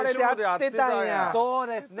そうですね。